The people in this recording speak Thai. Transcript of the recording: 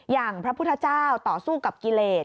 อย่างพระพุทธเจ้าต่อสู้กับกิเลส